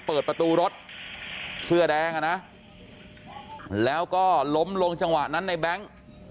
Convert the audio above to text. เปิดประตูรถเสื้อแดงอ่ะนะแล้วก็ล้มลงจังหวะนั้นในแบงค์